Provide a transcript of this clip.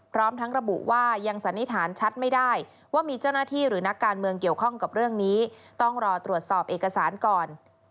พร้อมทั้งระบุว่ายังสันนิษฐานชัดไม่ได้ว่ามีเจ้าหน้าที่หรือนักการเมืองเกี่ยวข้องกับเรื่องนี้ต้องรอตรวจสอบเอกสารก่อน